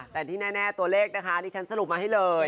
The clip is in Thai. แต่ที่แน่ตัวเลขนะคะดิฉันสรุปมาให้เลย